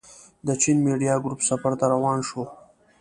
د چين ميډيا ګروپ سفر ته روان شوو.